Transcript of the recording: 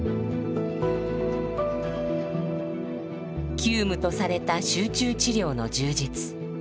急務とされた集中治療の充実。